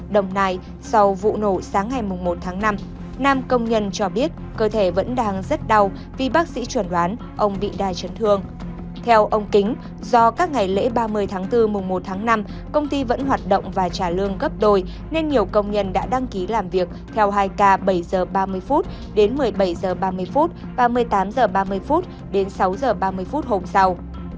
do các ngày lễ ba mươi tháng bốn mùng một tháng năm công ty vẫn hoạt động và trả lương gấp đôi nên nhiều công nhân đã đăng ký làm việc theo hai k bảy h ba mươi đến một mươi bảy h ba mươi ba mươi tám h ba mươi đến sáu h ba mươi hôm sau